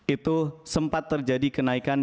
itu sempat terjadi kenaikan